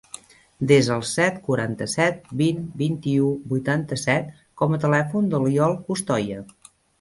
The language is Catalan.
Desa el set, quaranta-set, vint, vint-i-u, vuitanta-set com a telèfon de l'Iol Costoya.